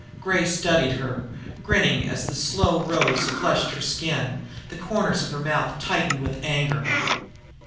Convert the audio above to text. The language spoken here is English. Gray studied her, grinning as the slow rose flushed her skin, the corners of her mouth tightening with anger.